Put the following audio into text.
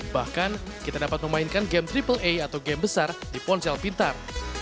bahkan kita dapat memainkan game triple a atau game besar di ponsel pintar